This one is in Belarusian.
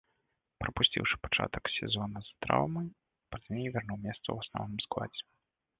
Прапусціўшы пачатак сезона з-за траўмы, пазней вярнуў месца ў асноўным складзе.